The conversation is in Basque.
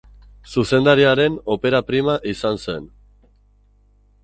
Zuzendariaren opera prima izan zen.